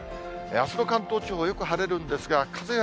あすの関東地方、よく晴れるんですが、風が